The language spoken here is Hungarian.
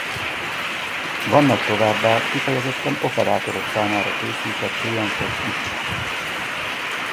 Vannak továbbá kifejezetten operátorok számára készített kliensek is.